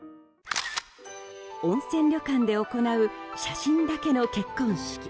温泉旅館で行う写真だけの結婚式。